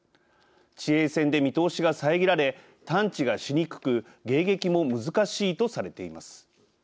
地平線で見通しが遮られ探知がしにくく迎撃も難しいとされています。